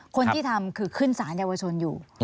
คนที่ทำคือขึ้นสารเยาวชนอยู่